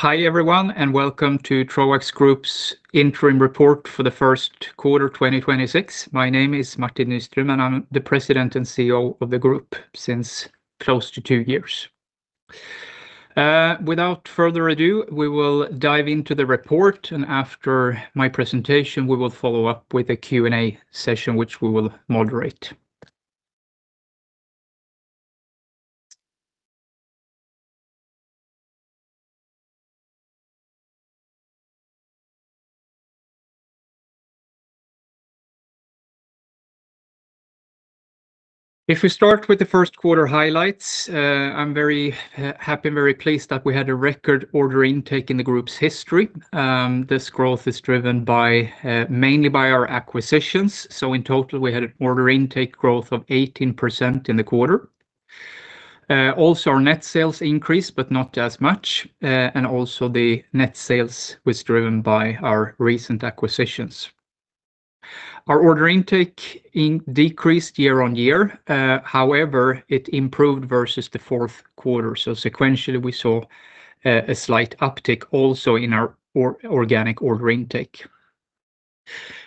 Hi, everyone, and welcome to Troax Group's interim report for the first quarter 2026. My name is Martin Nyström, and I'm the President and CEO of the Group since close to two years. Without further ado, we will dive into the report, and after my presentation, we will follow up with a Q&A session, which we will moderate. If we start with the first quarter highlights, I'm very happy and very pleased that we had a record order intake in the Group's history. This growth is driven mainly by our acquisitions. In total, we had an order intake growth of 18% in the quarter. Also, our net sales increased, but not as much. also the net sales was driven by our recent acquisitions. Our order intake decreased year-over-year. However, it improved versus the fourth quarter. Sequentially, we saw a slight uptick also in our organic order intake.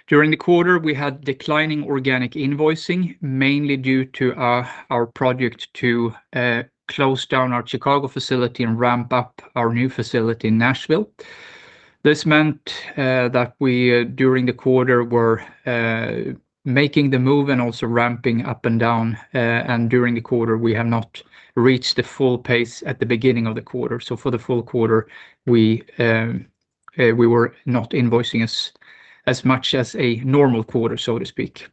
During the quarter, we had declining organic invoicing, mainly due to our project to close down our Chicago facility and ramp up our new facility in Nashville. This meant that we, during the quarter, were making the move and also ramping up and down. During the quarter, we have not reached the full pace at the beginning of the quarter. For the full quarter, we were not invoicing as much as a normal quarter, so to speak.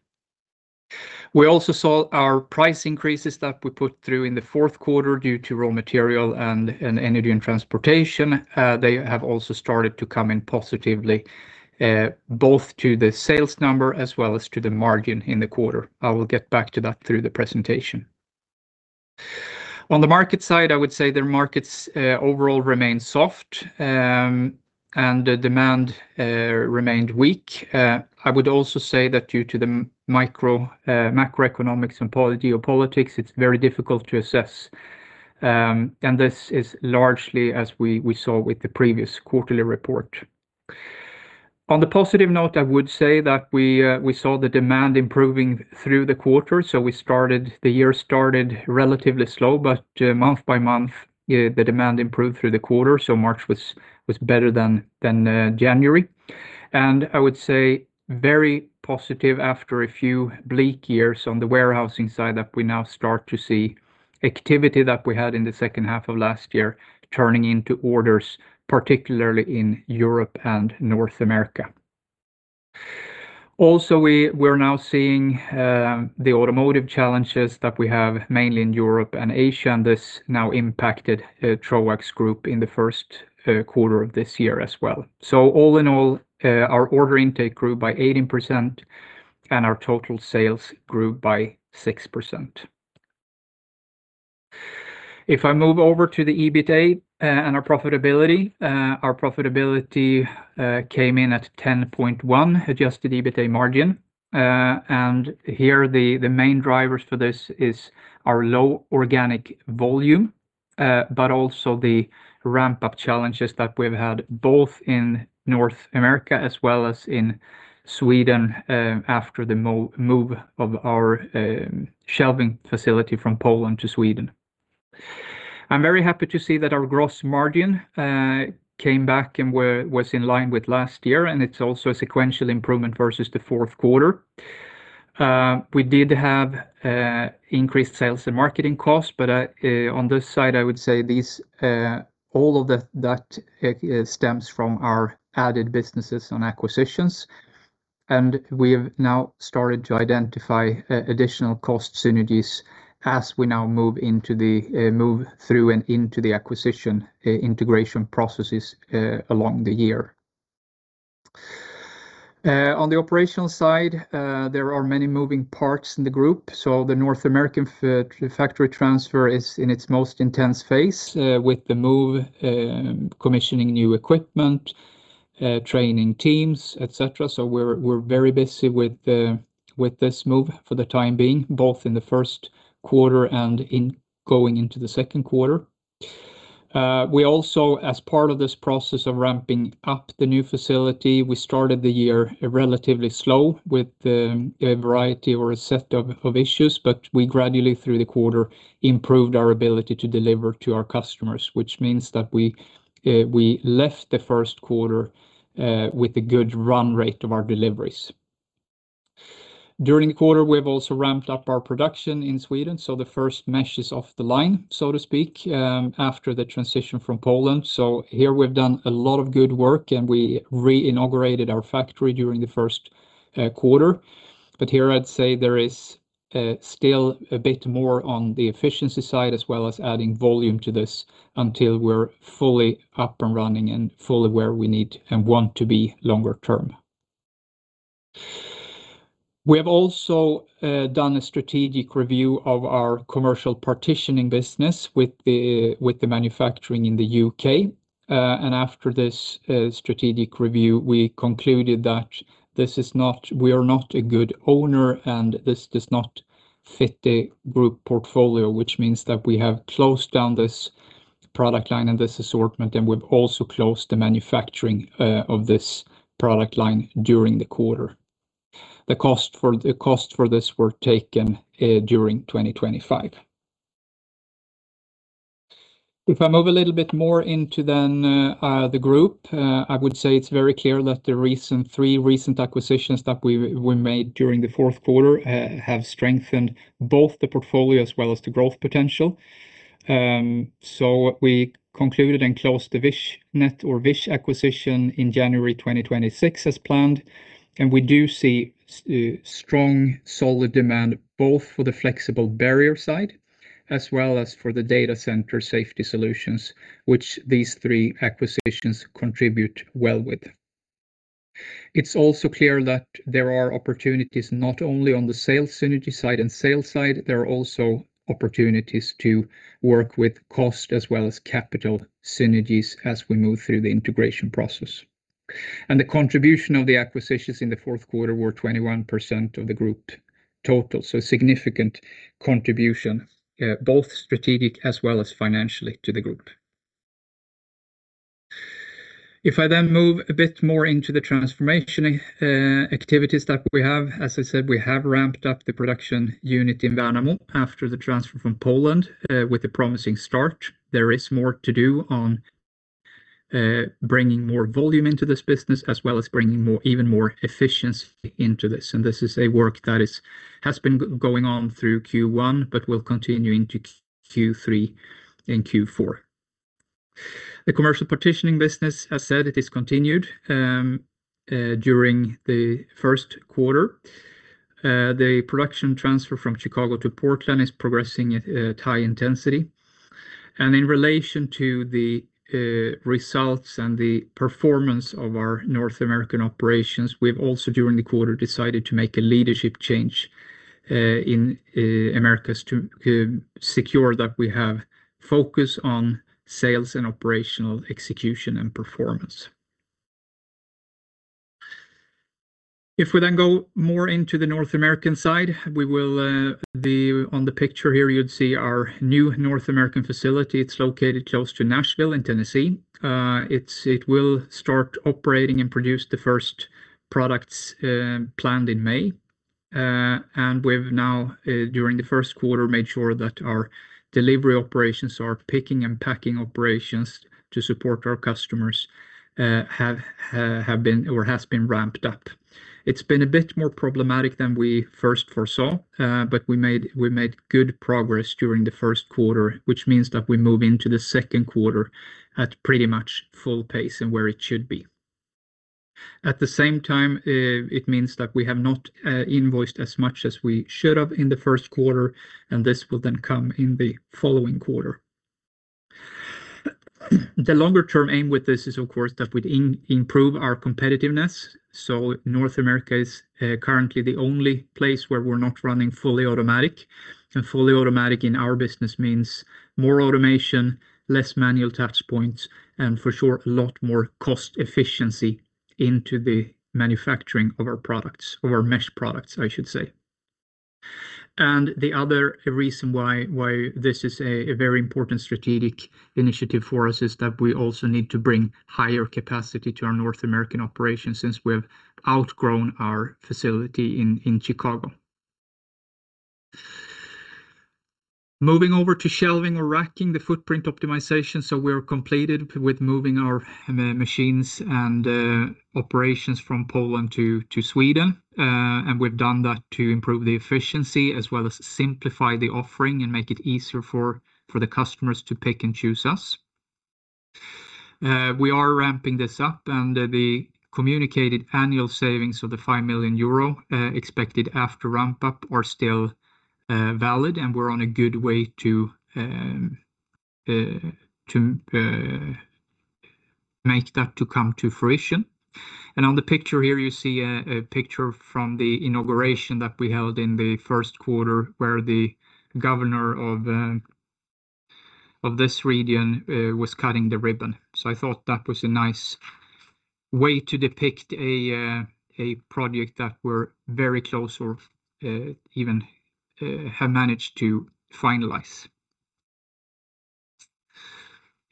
We also saw our price increases that we put through in the fourth quarter due to raw material and energy and transportation. They have also started to come in positively, both to the sales number as well as to the margin in the quarter. I will get back to that through the presentation. On the market side, I would say the markets overall remain soft, and the demand remained weak. I would also say that due to the macroeconomics and geopolitics, it's very difficult to assess. This is largely as we saw with the previous quarterly report. On the positive note, I would say that we saw the demand improving through the quarter. The year started relatively slow, but month by month, the demand improved through the quarter. March was better than January. I would say very positive after a few bleak years on the warehousing side that we now start to see activity that we had in the second half of last year, turning into orders, particularly in Europe and North America. We're now seeing the automotive challenges that we have mainly in Europe and Asia, and this now impacted Troax Group in the first quarter of this year as well. All in all, our order intake grew by 18% and our total sales grew by 6%. If I move over to the EBITDA and our profitability, our profitability came in at 10.1% Adjusted EBITDA margin. Here the main drivers for this is our low organic volume, but also the ramp-up challenges that we've had both in North America as well as in Sweden after the move of our shelving facility from Poland to Sweden. I'm very happy to see that our gross margin came back and was in line with last year, and it's also a sequential improvement versus the fourth quarter. We did have increased sales and marketing costs, but on this side, I would say all of that stems from our added businesses on acquisitions. We have now started to identify additional cost synergies as we now move through and into the acquisition integration processes along the year. On the operational side, there are many moving parts in the group. The North American factory transfer is in its most intense phase, with the move, commissioning new equipment, training teams, et cetera. We're very busy with this move for the time being, both in the first quarter and going into the second quarter. We also, as part of this process of ramping up the new facility, we started the year relatively slow with a variety or a set of issues, but we gradually, through the quarter, improved our ability to deliver to our customers, which means that we left the first quarter with a good run rate of our deliveries. During the quarter, we've also ramped up our production in Sweden, so the first mesh is off the line, so to speak, after the transition from Poland. Here we've done a lot of good work, and we reinaugurated our factory during the first quarter. Here I'd say there is still a bit more on the efficiency side, as well as adding volume to this until we're fully up and running and fully where we need and want to be longer term. We have also done a strategic review of our Commercial Partitioning business with the manufacturing in the U.K. After this strategic review, we concluded that we are not a good owner and this does not fit the Group portfolio, which means that we have closed down this product line and this assortment, and we've also closed the manufacturing of this product line during the quarter. The cost for this were taken during 2025. If I move a little bit more into then the Group, I would say it's very clear that the three recent acquisitions that we made during the fourth quarter have strengthened both the portfolio as well as the growth potential. We concluded and closed the Vichnet acquisition in January 2026 as planned, and we do see strong solid demand, both for the flexible barrier side as well as for the data center safety solutions which these three acquisitions contribute well with. It's also clear that there are opportunities not only on the sales synergy side and sales side, there are also opportunities to work with cost as well as capital synergies as we move through the integration process. The contribution of the acquisitions in the fourth quarter were 21% of the Group total. Significant contribution, both strategic as well as financially to the Group. If I then move a bit more into the transformation activities that we have, as I said, we have ramped up the production unit in Värnamo after the transfer from Poland with a promising start. There is more to do on bringing more volume into this business, as well as bringing even more efficiency into this. This is a work that has been going on through Q1 but will continue into Q3 and Q4. The Commercial Partitioning business, as said, it is continued during the first quarter. The production transfer from Chicago to Portland is progressing at high intensity. In relation to the results and the performance of our North American operations, we've also during the quarter decided to make a leadership change in Americas to secure that we have focus on sales and operational execution and performance. If we then go more into the North American side, in the picture here, you'd see our new North American facility. It's located close to Nashville in Tennessee. It will start operating and produce the first products planned in May. We've now, during the first quarter, made sure that our delivery operations, our picking and packing operations to support our customers, has been ramped up. It's been a bit more problematic than we first foresaw. We made good progress during the first quarter, which means that we move into the second quarter at pretty much full pace and where it should be. At the same time, it means that we have not invoiced as much as we should have in the first quarter, and this will then come in the following quarter. The longer-term aim with this is, of course, that we improve our competitiveness. North America is currently the only place where we're not running fully automatic, and fully automatic in our business means more automation, less manual touchpoints, and for sure, a lot more cost efficiency into the manufacturing of our products or mesh products, I should say. The other reason why this is a very important strategic initiative for us is that we also need to bring higher capacity to our North American operations since we've outgrown our facility in Chicago. Moving over to shelving or racking the footprint optimization. We're completed with moving our machines and operations from Poland to Sweden. We've done that to improve the efficiency as well as simplify the offering and make it easier for the customers to pick and choose us. We are ramping this up and the communicated annual savings of 5 million euro expected after ramp-up are still valid, and we're on a good way to make that come to fruition. On the picture here, you see a picture from the inauguration that we held in the first quarter where the governor of this region was cutting the ribbon. I thought that was a nice way to depict a project that we're very close or even have managed to finalize.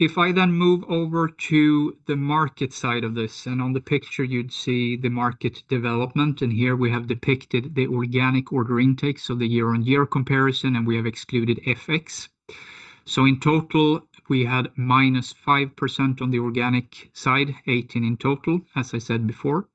If I then move over to the market side of this, and on the picture, you'd see the market development, and here we have depicted the organic order intakes, so the year-on-year comparison, and we have excluded FX. In total, we had -5% on the organic side, 18% in total, as I said before.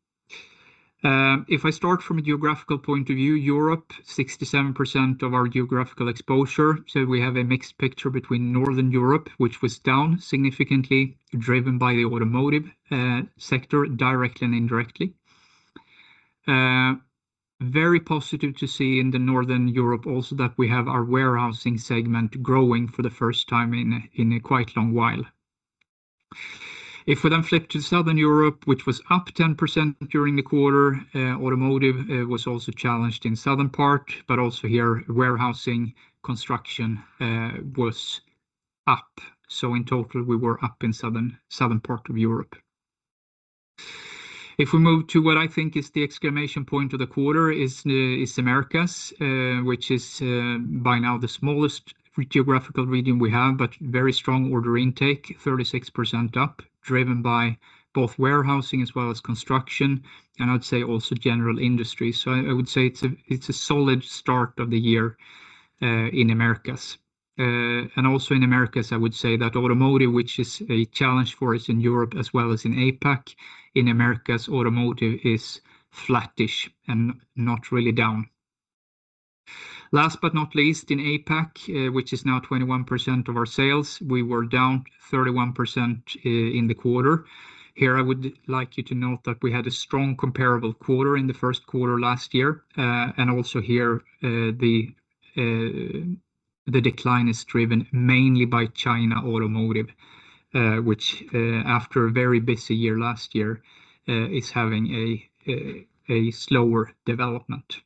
If I start from a geographical point of view, Europe, 67% of our geographical exposure. We have a mixed picture between Northern Europe, which was down significantly, driven by the automotive sector directly and indirectly. Very positive to see in Northern Europe also that we have our warehousing segment growing for the first time in a quite long while. If we flip to Southern Europe, which was up 10% during the quarter, automotive was also challenged in southern part, but also here, warehousing construction was up. In total, we were up in southern part of Europe. If we move to what I think is the exclamation point of the quarter is the Americas, which is by now the smallest geographical region we have, but very strong order intake, 36% up, driven by both warehousing as well as construction, and I'd say also general industry. I would say it's a solid start of the year in Americas. Also in Americas, I would say that automotive, which is a challenge for us in Europe as well as in APAC, in Americas, automotive is flattish and not really down. Last but not least, in APAC, which is now 21% of our sales, we were down 31% in the quarter. Here, I would like you to note that we had a strong comparable quarter in the first quarter last year. Also here, the decline is driven mainly by China automotive, which after a very busy year last year, is having a slower development.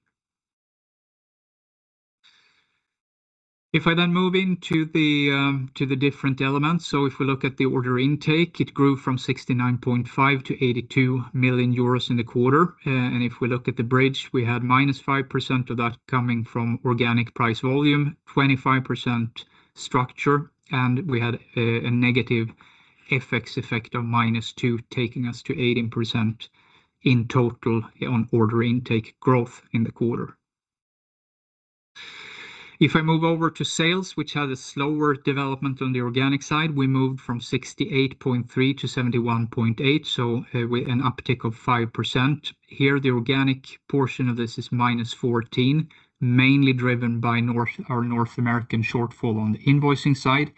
If I then move into the different elements. If we look at the order intake, it grew from 69.5 million to 82 million euros in the quarter. If we look at the bridge, we had -5% of that coming from organic price volume, 25% structure. We had a negative FX effect of -2, taking us to 18% in total on order intake growth in the quarter. If I move over to sales, which had a slower development on the organic side, we moved from 68.3 million to 71.8 million, so an uptick of 5%. Here, the organic portion of this is -14%, mainly driven by our North American shortfall on the invoicing side,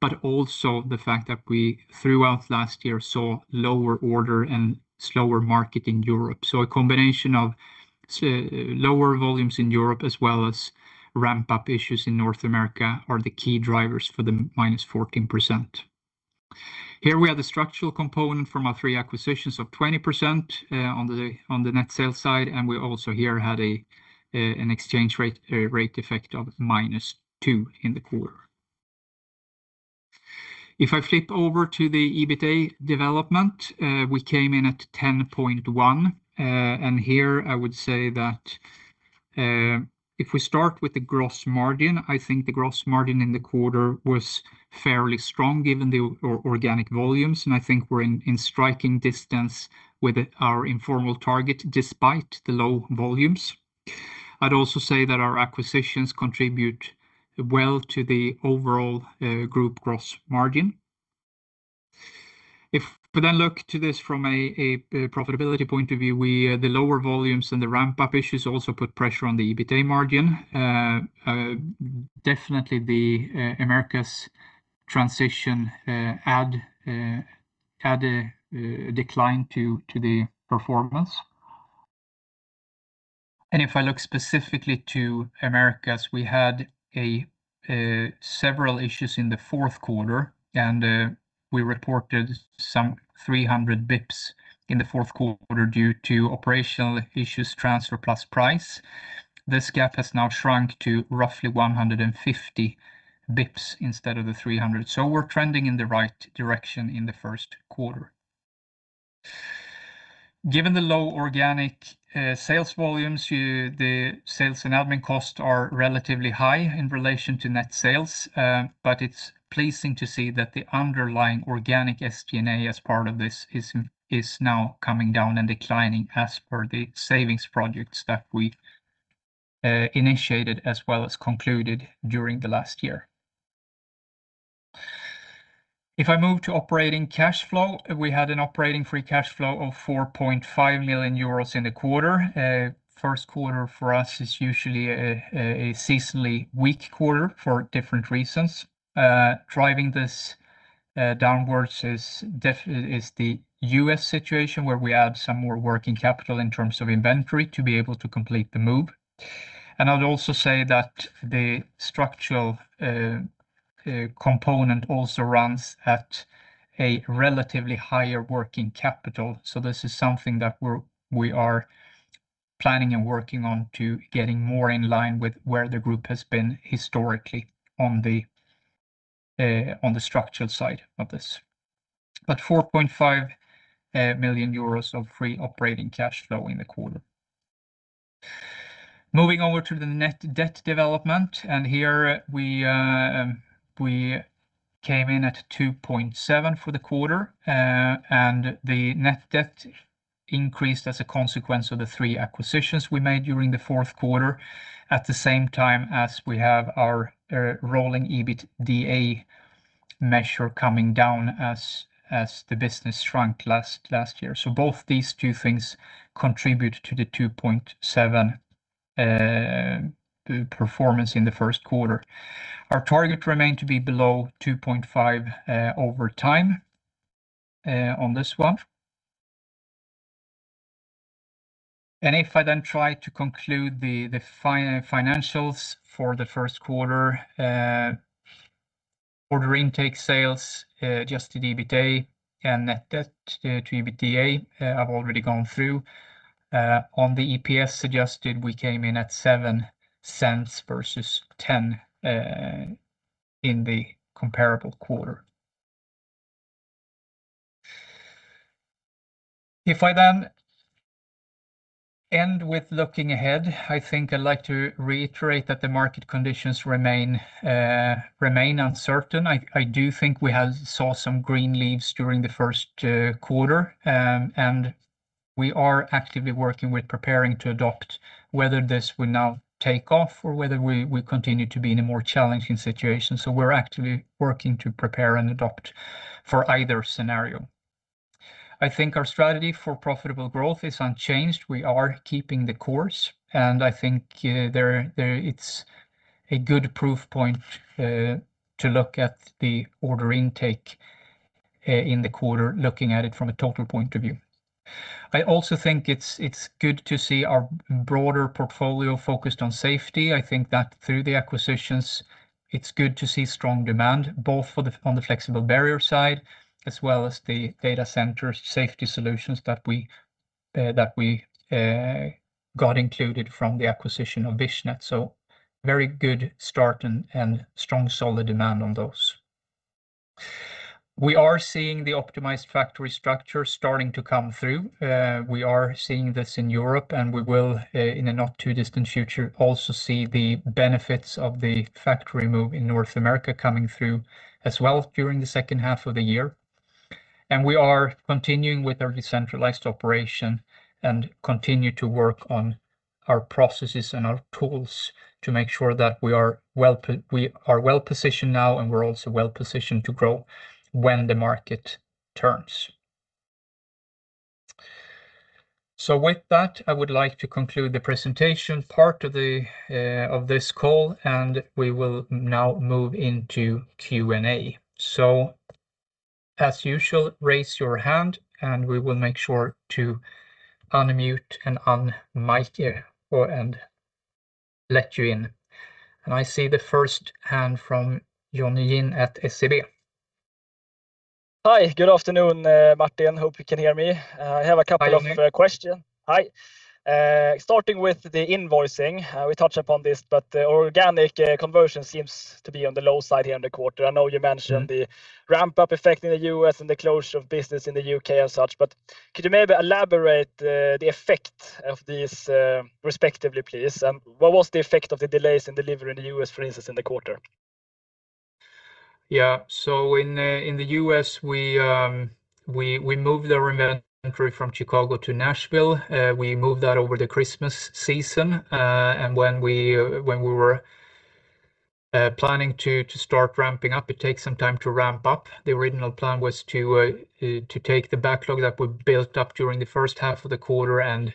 but also the fact that we, throughout last year, saw lower order and slower market in Europe. A combination of lower volumes in Europe as well as ramp-up issues in North America are the key drivers for the -14%. Here we have the structural component from our three acquisitions of 20% on the net sales side. We also here had an exchange rate effect of -2% in the quarter. If I flip over to the EBITA development, we came in at 10.1%. Here I would say that if we start with the gross margin, I think the gross margin in the quarter was fairly strong given the organic volumes. I think we're in striking distance with our informal target, despite the low volumes. I'd also say that our acquisitions contribute well to the overall group gross margin. If we then look to this from a profitability point of view, the lower volumes and the ramp-up issues also put pressure on the EBITA margin. Definitely the Americas transition add a decline to the performance. If I look specifically to Americas, we had several issues in the fourth quarter, and we reported some 300 basis points in the fourth quarter due to operational issues, transfer pricing. This gap has now shrunk to roughly 150 basis points instead of the 300. We're trending in the right direction in the first quarter. Given the low organic sales volumes, the sales and admin costs are relatively high in relation to net sales. It's pleasing to see that the underlying organic SG&A as part of this is now coming down and declining as per the savings projects that we initiated as well as concluded during the last year. If I move to operating cash flow, we had an operating free cash flow of 4.5 million euros in the quarter. First quarter for us is usually a seasonally weak quarter for different reasons. Driving this downwards is the U.S. situation where we add some more working capital in terms of inventory to be able to complete the move. I would also say that the structural component also runs at a relatively higher working capital. This is something that we are planning and working on to getting more in line with where the Group has been historically on the structural side of this. 4.5 million euros of free operating cash flow in the quarter. Moving over to the net debt development, here we came in at 2.7x for the quarter. The net debt increased as a consequence of the three acquisitions we made during the fourth quarter. At the same time as we have our rolling EBITDA measure coming down as the business shrunk last year. Both these two things contribute to the 2.7x performance in the first quarter. Our target remained to be below 2.5x over time on this one. If I then try to conclude the financials for the first quarter, order intake, sales, Adjusted EBITA, and net debt to EBITDA, I've already gone through. On the EPS side we came in at 0.07 versus 0.10 in the comparable quarter. If I then end with looking ahead, I think I'd like to reiterate that the market conditions remain uncertain. I do think we have saw some green shoots during the first quarter, and we are actively working with preparing to adapt whether this will now take off or whether we continue to be in a more challenging situation. We're actively working to prepare and adapt for either scenario. I think our strategy for profitable growth is unchanged. We are keeping the course, and I think it's a good proof point to look at the order intake in the quarter, looking at it from a total point of view. I also think it's good to see our broader portfolio focused on safety. I think that through the acquisitions, it's good to see strong demand, both on the flexible barrier side as well as the data center safety solutions that we got included from the acquisition of Vichnet. Very good start and strong solid demand on those. We are seeing the optimized factory structure starting to come through. We are seeing this in Europe, and we will, in the not-too-distant future, also see the benefits of the factory move in North America coming through as well during the second half of the year. We are continuing with our decentralized operation and continue to work on our processes and our tools to make sure that we are well-positioned now, and we're also well-positioned to grow when the market turns. With that, I would like to conclude the presentation part of this call, and we will now move into Q&A. As usual, raise your hand and we will make sure to unmute and un-mic you, and let you in. I see the first hand from Jonny Jin at SEB. Hi. Good afternoon, Martin. Hope you can hear me. Hi, Jonny. I have a couple of questions. Hi. Starting with the invoicing. We touched upon this, but the organic conversion seems to be on the low side here in the quarter. I know you mentioned— Mm-hmm —the ramp-up effect in the U.S. and the closure of business in the U.K. and such, but could you maybe elaborate the effect of these respectively, please? What was the effect of the delays in delivery in the U.S., for instance, in the quarter? Yeah. In the U.S., we moved our inventory from Chicago to Nashville. We moved that over the Christmas season. When we were planning to start ramping up, it takes some time to ramp up. The original plan was to take the backlog that we built up during the first half of the quarter and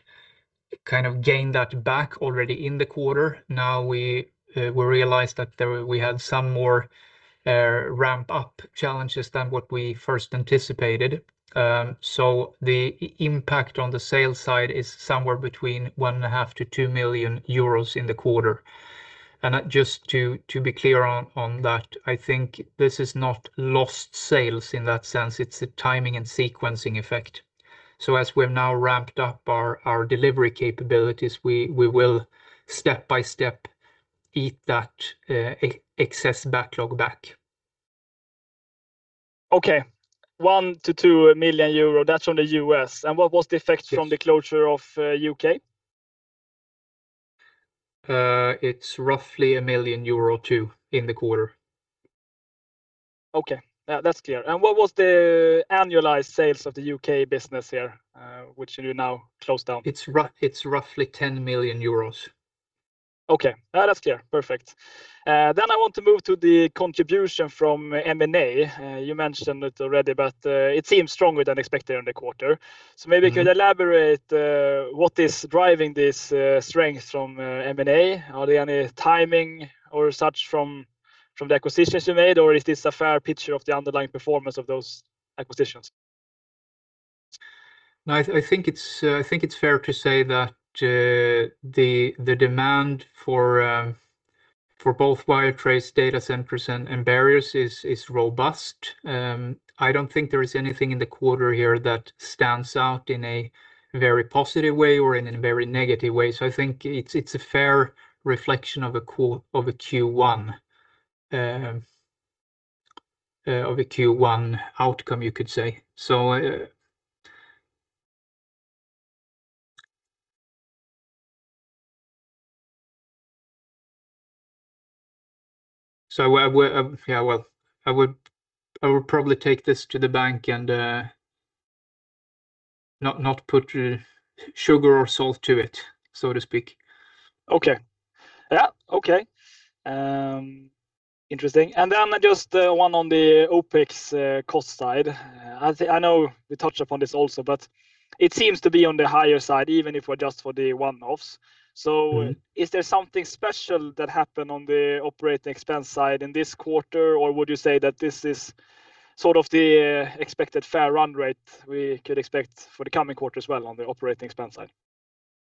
gain that back already in the quarter. Now we realized that we had some more ramp-up challenges than what we first anticipated. The impact on the sales side is somewhere between 1.5 million-2 million euros in the quarter. Just to be clear on that, I think this is not lost sales in that sense. It's a timing and sequencing effect. As we've now ramped up our delivery capabilities, we will step by step eat that excess backlog back. Okay. 1 million-2 million euro, that's from the U.S. What was the effect— Yes. —from the closure of U.K.? It's roughly 1 million euro too, in the quarter. Okay. Yeah, that's clear. What was the annualized sales of the U.K. business here, which you now closed down? It's roughly 10 million euros. Okay. Yeah, that's clear. Perfect. I want to move to the contribution from M&A. You mentioned it already, but it seems stronger than expected in the quarter. Maybe— Mm-hmm. —could you elaborate what is driving this strength from M&A? Are there any timing or such from the acquisitions you made, or is this a fair picture of the underlying performance of those acquisitions? No, I think it's fair to say that the demand for both wire trays data centers and barriers is robust. I don't think there is anything in the quarter here that stands out in a very positive way or in a very negative way. I think it's a fair reflection of a Q1 outcome, you could say. Yeah, well, I would probably take this to the bank and not put sugar or salt to it, so to speak. Okay. Yeah. Okay. Interesting. Just one on the OpEx cost side. I know we touched upon this also, but it seems to be on the higher side, even if we adjust for the one-offs. Mm-hmm. Is there something special that happened on the operating expense side in this quarter, or would you say that this is sort of the expected fair run rate we could expect for the coming quarter as well on the operating expense side?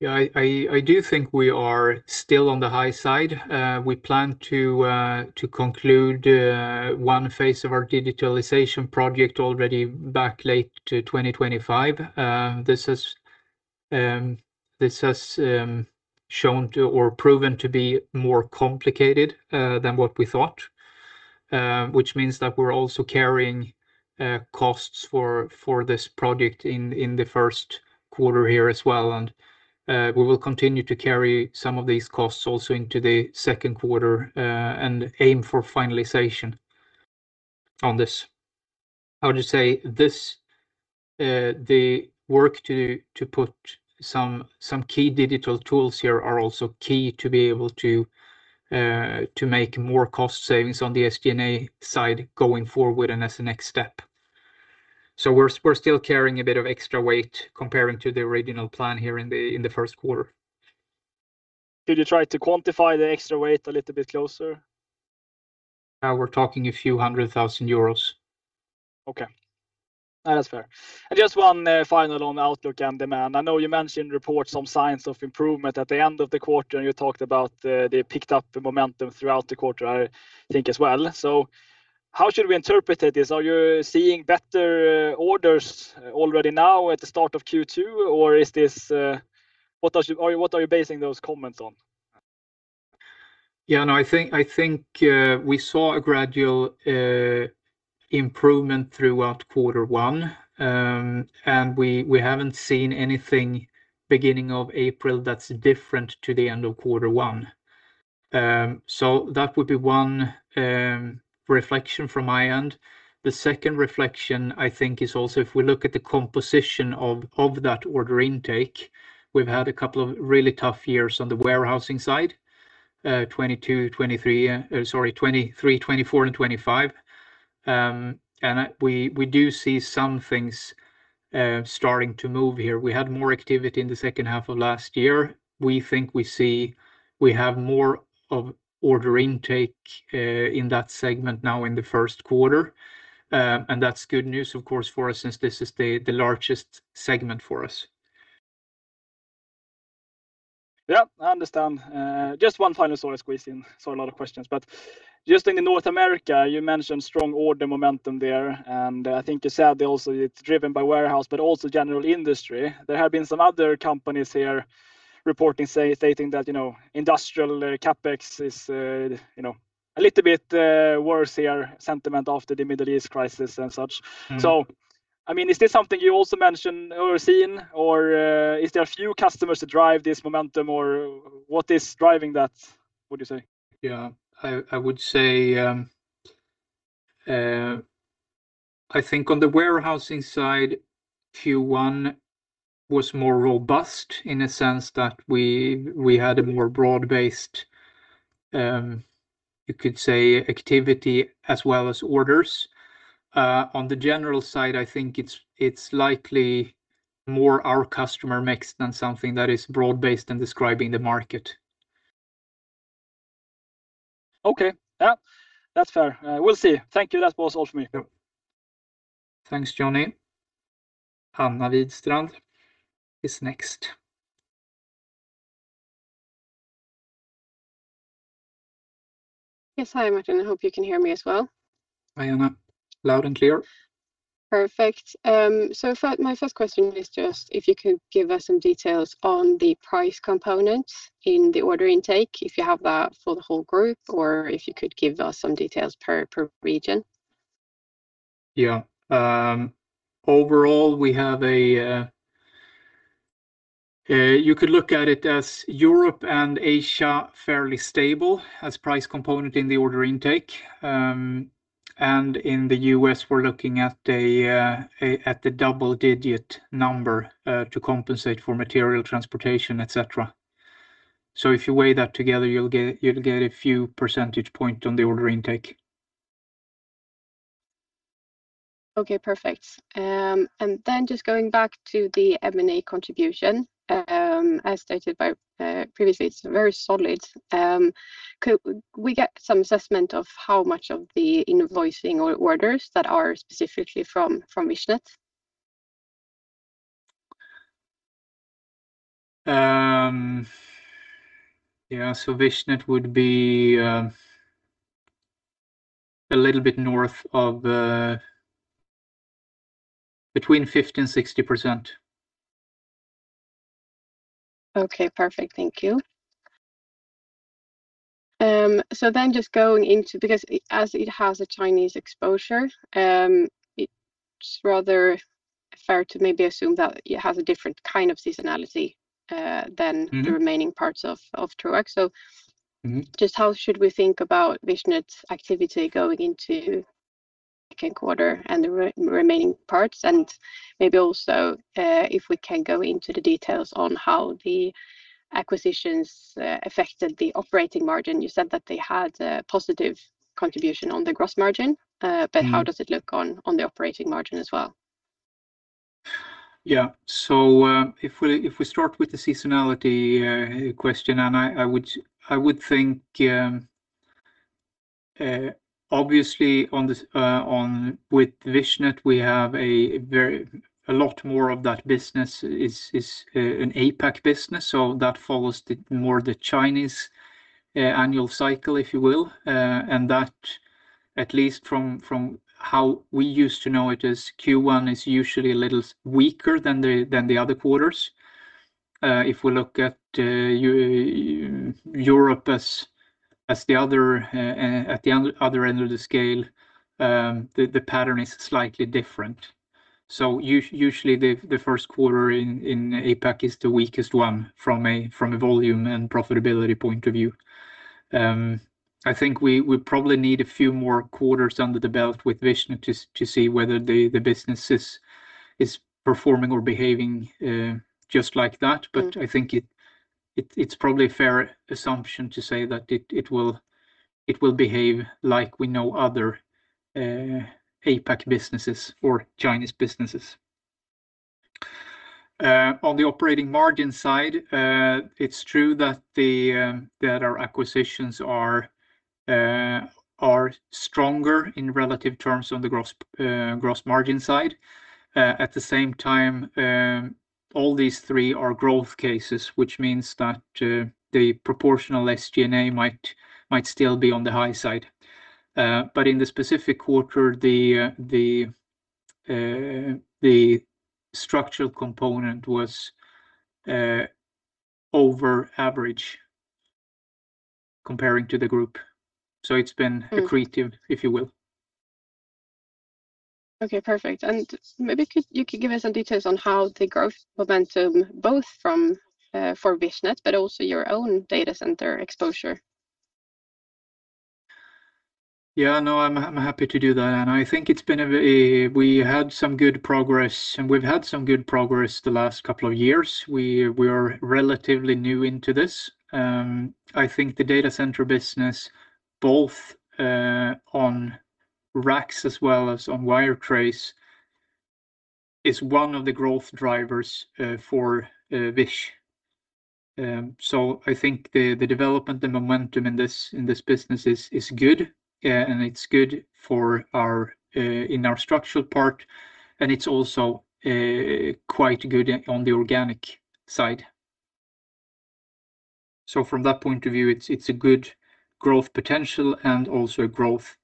Yeah, I do think we are still on the high side. We plan to conclude one phase of our digitalization project by late 2025. This has proven to be more complicated than what we thought, which means that we're also carrying costs for this project in the first quarter here as well, and we will continue to carry some of these costs also into the second quarter, and aim for finalization on this. I would say the work to put some key digital tools here are also key to be able to make more cost savings on the SG&A side going forward and as a next step. We're still carrying a bit of extra weight compared to the original plan here in the first quarter. Could you try to quantify the extra weight a little bit closer? We're talking a few hundred thousand euros. Okay, that's fair. Just one final on outlook and demand. I know you mentioned reports some signs of improvement at the end of the quarter, and you talked about they picked up momentum throughout the quarter, I think as well. How should we interpret this? Are you seeing better orders already now at the start of Q2? Or is this—what are you basing those comments on? Yeah, I think we saw a gradual improvement throughout quarter one, and we haven't seen anything beginning of April that's different to the end of quarter one. That would be one reflection from my end. The second reflection, I think, is also if we look at the composition of that order intake. We've had a couple of really tough years on the warehousing side 2022, 2023, sorry—2023, 2024, and 2025. We do see some things starting to move here. We had more activity in the second half of last year. We think we see—we have more of order intake in that segment now in the first quarter. That's good news, of course, for us since this is the largest segment for us. Yeah, I understand. Just one final question, sorry to squeeze in. I saw a lot of questions, but just in North America, you mentioned strong order momentum there, and I think you said also it's driven by warehouse, but also general industry. There have been some other companies here reporting, stating that industrial CapEx is a little bit worse here, sentiment after the Middle East crisis and such. Mm-hmm. Is this something you also mention overseeing or is there a few customers that drive this momentum or what is driving that, would you say? Yeah, I would say, I think on the warehousing side, Q1 was more robust in a sense that we had a more broad-based, you could say, activity as well as orders. On the general side, I think it's likely more our customer mix than something that is broad-based in describing the market. Okay. Yeah, that's fair. We'll see. Thank you. That was all from me. Thanks, Jonny. Anna Widström is next. Yes. Hi, Martin. I hope you can hear me as well. Hi, Anna. Loud and clear. Perfect. My first question is just if you could give us some details on the price component in the order intake, if you have that for the whole Group or if you could give us some details per region. Yeah. Overall, you could look at it as Europe and Asia fairly stable as price component in the order intake. In the U.S., we're looking at the double-digit number to compensate for material transportation, et cetera. If you weigh that together, you'll get a few percentage point on the order intake. Okay, perfect. Just going back to the M&A contribution, as stated previously, it's very solid. Could we get some assessment of how much of the invoicing or orders that are specifically from Vichnet? Yeah. Vichnet would be a little bit north of between 50% and 60%. Okay, perfect. Thank you. Just going into, because as it has a Chinese exposure, it's rather fair to maybe assume that it has a different kind of seasonality than— Mm-hmm. —the remaining parts of Troax. Mm-hmm. So just how should we think about Vichnet's activity going into second quarter and the remaining parts? Maybe also, if we can go into the details on how the acquisitions affected the operating margin. You said that they had a positive contribution on the gross margin. Mm-hmm. How does it look on the operating margin as well? Yeah. If we start with the seasonality question, and I would think, obviously with Vichnet, a lot more of that business is an APAC business. That follows more the Chinese annual cycle, if you will. That, at least from how we used to know it, as Q1 is usually a little weaker than the other quarters. If we look at Europe as at the other end of the scale, the pattern is slightly different. Usually the first quarter in APAC is the weakest one from a volume and profitability point of view. I think we probably need a few more quarters under the belt with Vichnet to see whether the business is performing or behaving just like that. Mm-hmm. I think it's probably a fair assumption to say that it will behave like we know other APAC businesses or Chinese businesses. On the operating margin side, it's true that our acquisitions are stronger in relative terms on the gross margin side. At the same time, all these three are growth cases, which means that the proportional SG&A might still be on the high side. In the specific quarter, the structural component was over average compared to the Group. It's been— Mm-hmm. —accretive, if you will. Okay, perfect. Maybe you could give us some details on how the growth momentum, both for Vichnet but also your own data center exposure? Yeah, no, I'm happy to do that. I think we've had some good progress the last couple of years. We are relatively new into this. I think the data center business, both on racks as well as on wire trays, is one of the growth drivers for Vichnet. I think the development, the momentum in this business is good, and it's good in our structural part, and it's also quite good on the organic side. From that point of view, it's a good growth potential and also a growth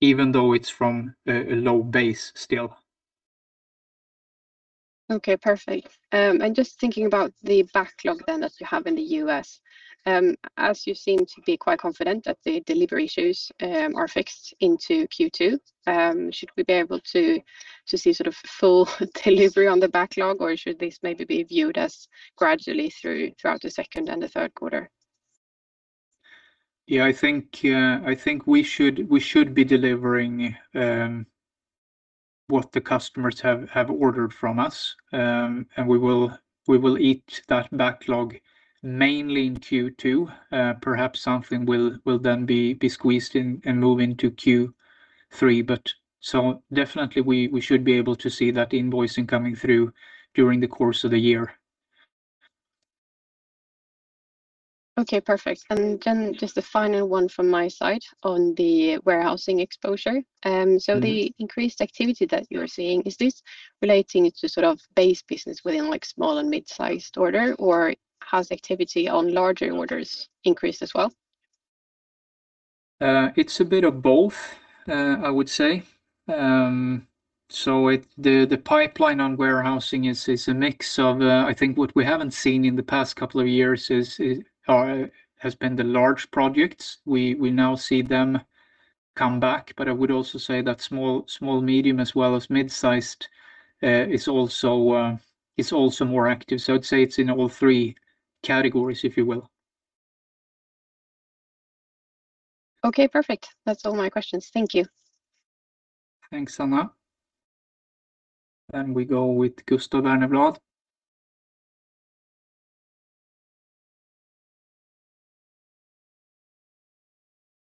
driver, even though it's from a low base still. Okay, perfect. Just thinking about the backlog then that you have in the U.S. As you seem to be quite confident that the delivery issues are fixed into Q2, should we be able to see full delivery on the backlog, or should this maybe be viewed as gradually throughout the second and the third quarter? Yeah, I think we should be delivering what the customers have ordered from us. We will eat that backlog mainly in Q2. Perhaps something will then be squeezed and move into Q3. We should be able to see that invoicing coming through during the course of the year. Okay, perfect. Just the final one from my side on the warehousing exposure. The increased activity that you're seeing, is this relating to sort of base business within small and mid-sized orders, or has activity on larger orders increased as well? It's a bit of both, I would say. The pipeline on warehousing is a mix of, I think what we haven't seen in the past couple of years has been the large projects. We now see them come back, but I would also say that small, medium, as well as mid-sized, is also more active. I'd say it's in all three categories, if you will. Okay, perfect. That's all my questions. Thank you. Thanks, Anna. We go with Gustav Berneblad.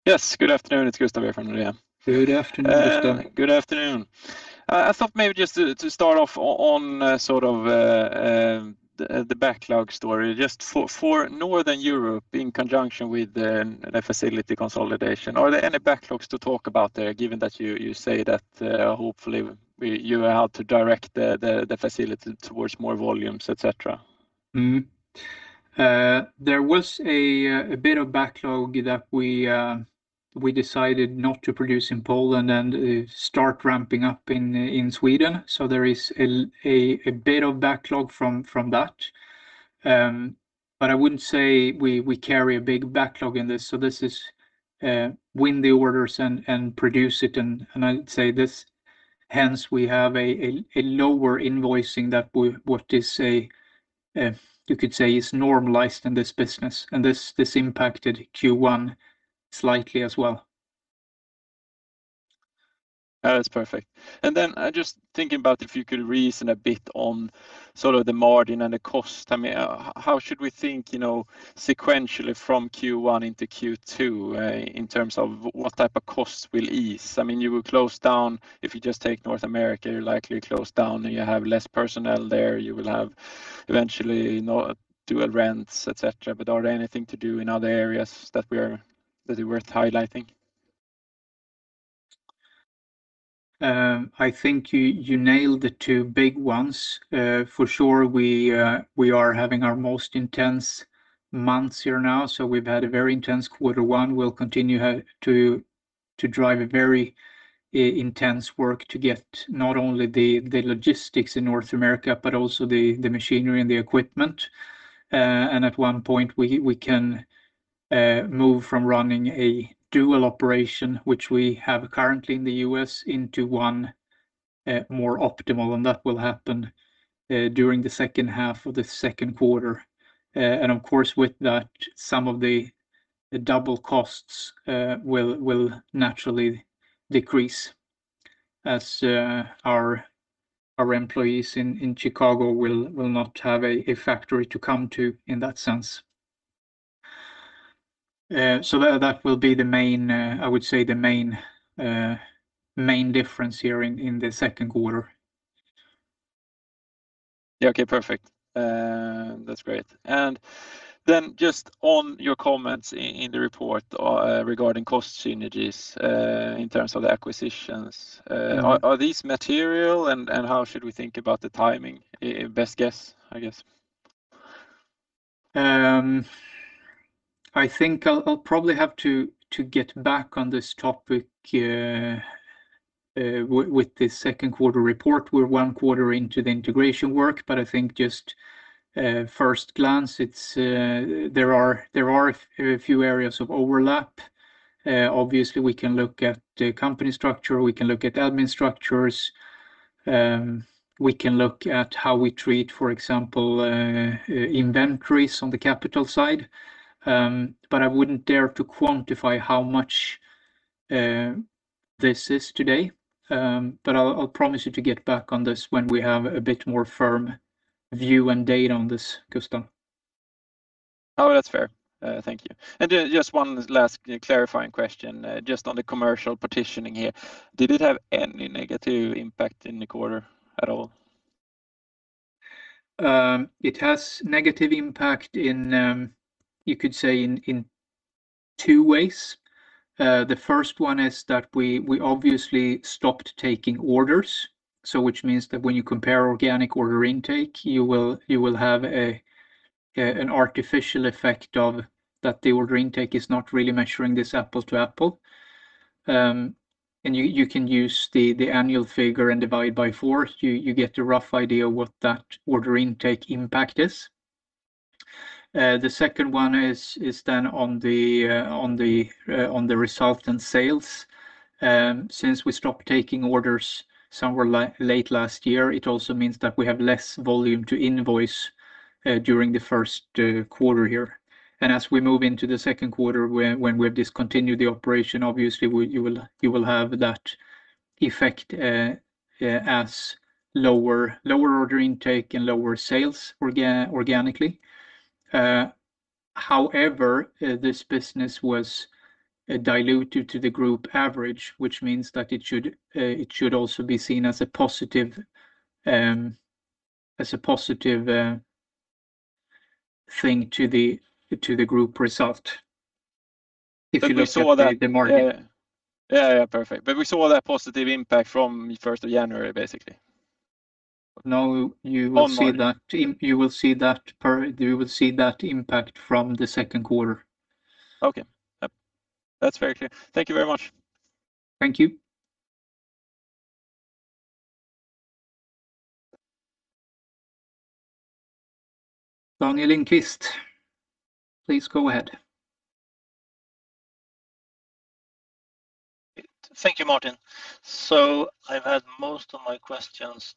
Yes, good afternoon. It's Gustav here from Nordea. Good afternoon, Gustav. Good afternoon. I thought maybe just to start off on the backlog story just for Northern Europe in conjunction with the facility consolidation. Are there any backlogs to talk about there, given that you say that hopefully you are out to direct the facility towards more volumes, et cetera? There was a bit of backlog that we decided not to produce in Poland and start ramping up in Sweden. There is a bit of backlog from that. I wouldn't say we carry a big backlog in this. This is win the orders and produce it, and I'd say this, hence we have a lower invoicing than what you could say is normalized in this business. This impacted Q1 slightly as well. That's perfect. Just thinking about if you could reason a bit on the margin and the cost. How should we think sequentially from Q1 into Q2, in terms of what type of costs will ease? You will close down, if you just take North America, you'll likely close down and you have less personnel there. You will have eventually dual rents, et cetera. Are there anything to do in other areas that are worth highlighting? I think you nailed the two big ones. For sure, we are having our most intense months here now, so we've had a very intense quarter one. We'll continue to drive a very intense work to get not only the logistics in North America, but also the machinery and the equipment. At one point, we can move from running a dual operation, which we have currently in the U.S., into one more optimal, and that will happen during the second half of the second quarter. Of course, with that, some of the double costs will naturally decrease as our employees in Chicago will not have a factory to come to in that sense. That will be, I would say, the main difference here in the second quarter. Yeah. Okay, perfect. That's great. Just on your comments in the report regarding cost synergies in terms of the acquisitions, are these material and how should we think about the timing? Best guess, I guess. I think I'll probably have to get back on this topic with the second quarter report. We're one quarter into the integration work, but I think at first glance, there are a few areas of overlap. Obviously, we can look at the company structure, we can look at admin structures, we can look at how we treat, for example, inventories on the capital side. I wouldn't dare to quantify how much this is today. I'll promise you to get back on this when we have a bit more firm view and data on this, Gustav. Oh, that's fair. Thank you. Just one last clarifying question, just on the Commercial Partitioning here. Did it have any negative impact in the quarter at all? It has negative impact in, you could say, in two ways. The first one is that we obviously stopped taking orders. So which means that when you compare organic order intake, you will have an artificial effect of that the order intake is not really measuring this apples to apples. You can use the annual figure and divide by four. You get a rough idea what that order intake impact is. The second one is on the results and sales. Since we stopped taking orders somewhere late last year, it also means that we have less volume to invoice during the first quarter here. As we move into the second quarter when we've discontinued the operation, obviously, you will have that effect as lower order intake and lower sales organically. However, this business was diluted to the Group average, which means that it should also be seen as a positive thing to the Group result, if you look at the margin. Yeah, yeah, perfect. We saw that positive impact from 1st of January, basically. No, you will see that impact from the second quarter. Okay. That's very clear. Thank you very much. Thank you. Daniel Lindkvist, please go ahead. Thank you, Martin. I've had most of my questions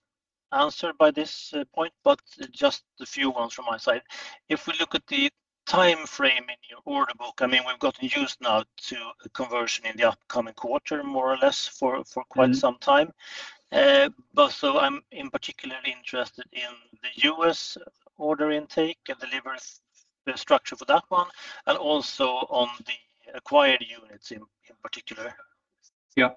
answered by this point, but just a few ones from my side. If we look at the timeframe in your order book, we've gotten used now to conversion in the upcoming quarter, more or less, for quite some time. I'm in particular interested in the U.S. order intake and delivery structure for that one, and also on the acquired units in particular. Yeah.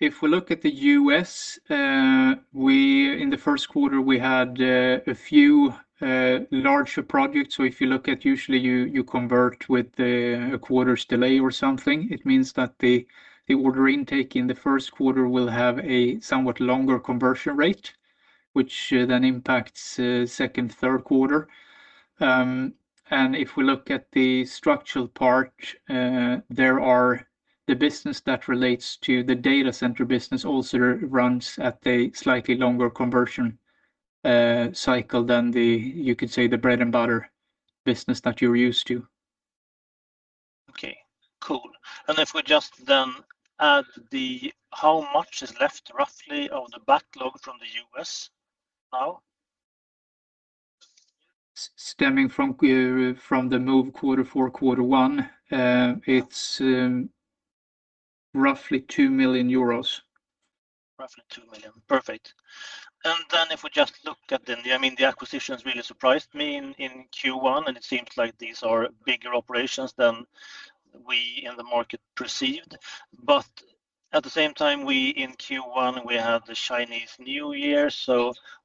If we look at the U.S., in the first quarter, we had a few larger projects. If you look at usually you convert with a quarter's delay or something, it means that the order intake in the first quarter will have a somewhat longer conversion rate, which then impacts second, third quarter. If we look at the structural part, the business that relates to the data center business also runs at a slightly longer conversion cycle than the, you could say, the bread-and-butter business that you're used to. Okay, cool. If we just then add how much is left roughly of the backlog from the U.S. now? Stemming from the move quarter four, quarter one, it's roughly 2 million euros. Roughly 2 million. Perfect. If we just look at them, the acquisitions really surprised me in Q1, and it seems like these are bigger operations than we in the market perceived. At the same time, in Q1 we had the Chinese New Year.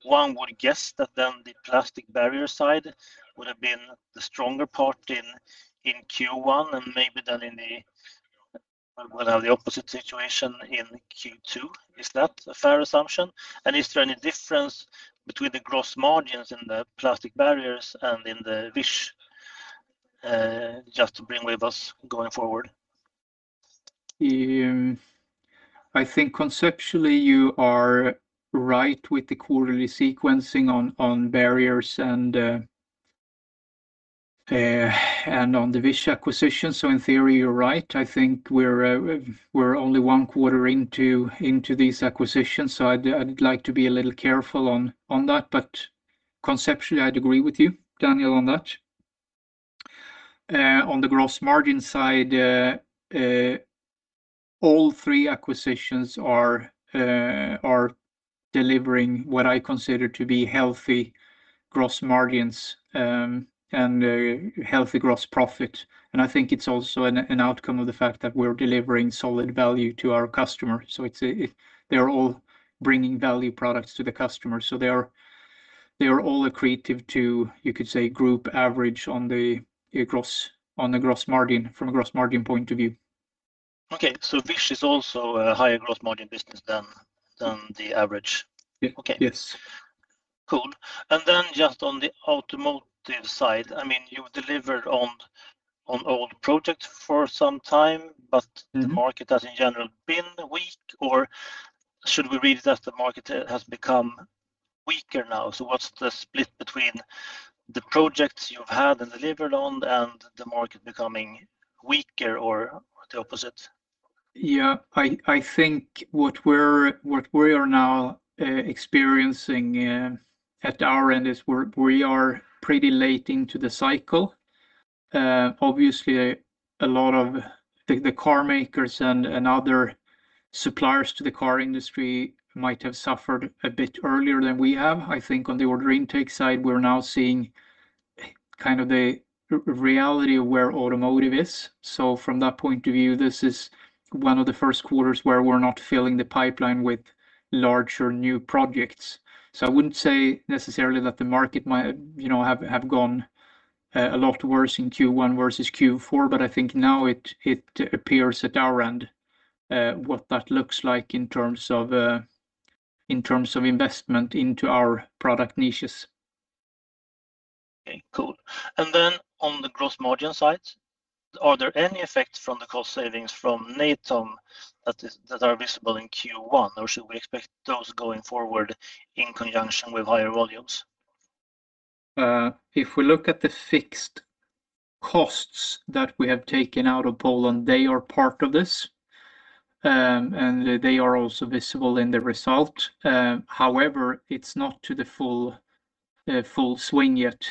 One would guess that the flexible barrier side would have been the stronger part in Q1 and maybe then in the opposite situation in Q2. Is that a fair assumption? Is there any difference between the gross margins in the plastic barriers and in Vichnet just to bring with us going forward? I think conceptually you are right with the quarterly sequencing on barriers and on the Vichnet acquisition. In theory, you're right. I think we're only one quarter into this acquisition, so I'd like to be a little careful on that. Conceptually, I'd agree with you, Daniel, on that. On the gross margin side, all three acquisitions are delivering what I consider to be healthy gross margins and healthy gross profit. I think it's also an outcome of the fact that we're delivering solid value to our customers. They're all bringing value products to the customer. They are all accretive to, you could say, Group average on the gross margin from a gross margin point of view. Okay, Vichnet is also a higher gross margin business than the average? Yeah. Okay. Yes. Cool. Just on the automotive side, I mean, you've delivered on old projects for some time, but the market has in general been weak. Or should we read it as the market has become weaker now? What's the split between the projects you've had and delivered on and the market becoming weaker or the opposite? Yeah. I think what we are now experiencing at our end is we are pretty late into the cycle. Obviously, a lot of the car makers and other suppliers to the car industry might have suffered a bit earlier than we have. I think on the order intake side, we're now seeing kind of the reality of where automotive is. From that point of view, this is one of the first quarters where we're not filling the pipeline with larger new projects. I wouldn't say necessarily that the market might have gone a lot worse in Q1 versus Q4, but I think now it appears at our end, what that looks like in terms of investment into our product niches. Okay, cool. On the gross margin side, are there any effects from the cost savings from Natom that are visible in Q1, or should we expect those going forward in conjunction with higher volumes? If we look at the fixed costs that we have taken out of Poland, they are part of this, and they are also visible in the result. However, it's not to the full swing yet,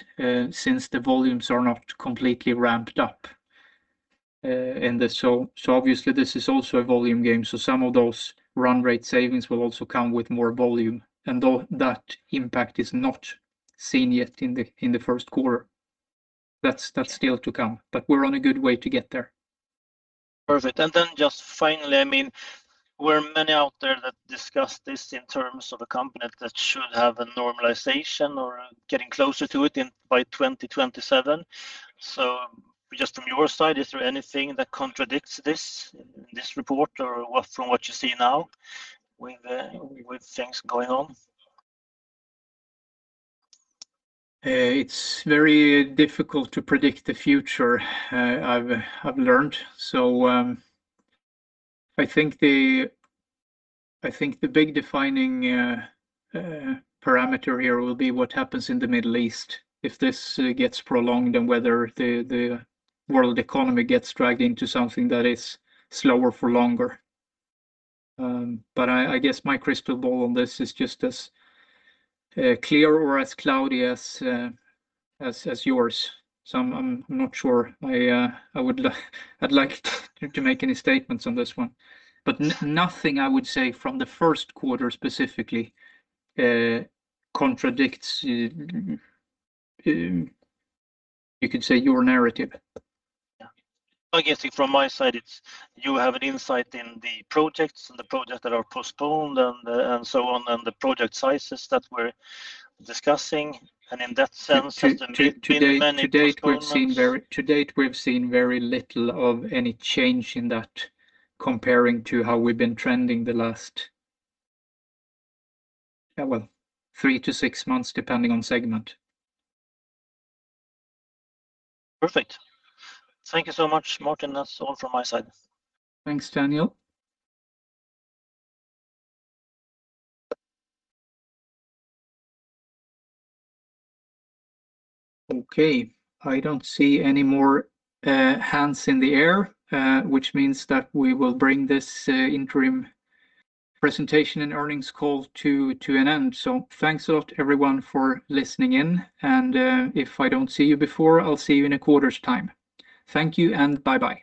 since the volumes are not completely ramped up. Obviously this is also a volume game, so some of those run rate savings will also come with more volume. That impact is not seen yet in the first quarter. That's still to come, but we're on a good way to get there. Perfect. Just finally, there are many out there that discuss this in terms of a company that should have a normalization or getting closer to it by 2027. Just from your side, is there anything that contradicts this report or from what you see now with things going on? It's very difficult to predict the future, I've learned. I think the big defining parameter here will be what happens in the Middle East if this gets prolonged and whether the world economy gets dragged into something that is slower for longer. I guess my crystal ball on this is just as clear or as cloudy as yours. I'm not sure I'd like to make any statements on this one, but nothing I would say from the first quarter specifically contradicts, you could say, your narrative. Yeah. I guess from my side, it's you have an insight in the projects and the projects that are postponed and so on, and the project sizes that we're discussing. In that sense, has there been many postponements? To date, we've seen very little of any change in that comparing to how we've been trending the last, well, three to six months, depending on segment. Perfect. Thank you so much, Martin. That's all from my side. Thanks, Daniel. Okay. I don't see any more hands in the air, which means that we will bring this interim presentation and earnings call to an end. Thanks a lot everyone for listening in, and if I don't see you before, I'll see you in a quarter's time. Thank you and bye-bye.